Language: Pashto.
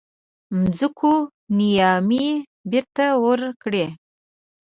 مځکو نیمايي بیرته ورکړي.